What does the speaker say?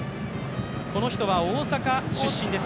この人は大阪出身です。